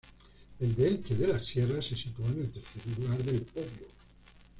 El de Elche de la Sierra se situó en el tercer lugar del podio.